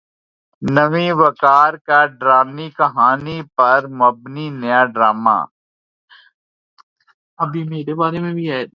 نوین وقار کا ڈرانی کہانی پر مبنی نیا ڈراما